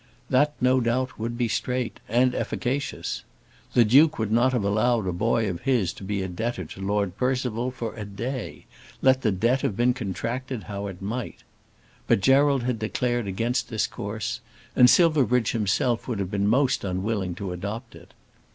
That no doubt would be straight, and efficacious. The Duke would not have allowed a boy of his to be a debtor to Lord Percival for a day, let the debt have been contracted how it might. But Gerald had declared against this course, and Silverbridge himself would have been most unwilling to adopt it.